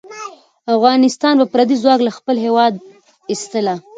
افغانان به پردی ځواک له خپل هېواد ایستله.